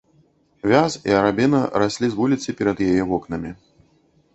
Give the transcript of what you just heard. Вяз і арабіна раслі з вуліцы перад яе вокнамі.